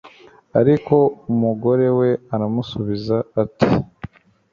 ariko umugore we aramusubiza ati